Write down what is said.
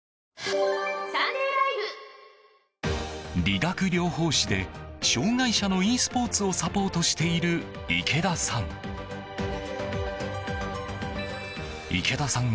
理学療法士で障害者のｅスポーツをサポートしている池田さん。